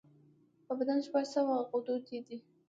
په بدن شپږ سوه غدودي دي.